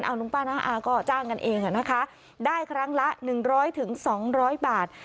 เอาลุงป้าน้าอาก็จ้างกันเองค่ะนะคะได้ครั้งละหนึ่งร้อยถึงสองร้อยบาท